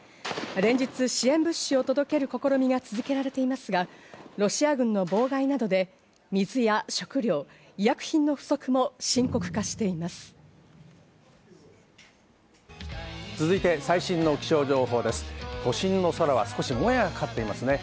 連日、支援物資を届ける試みが続けられていますが、ロシア軍の妨害などで、水や食料、医薬品の不足も深刻化しています。